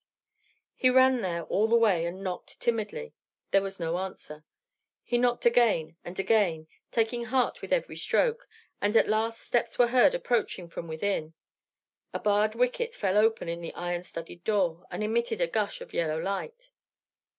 He ran there all the way, and knocked timidly. There was no answer. He knocked again and again, taking heart with every stroke; and at last steps were heard approaching from within. A barred wicket fell open in the iron studded door, and emitted a gush of yellow light.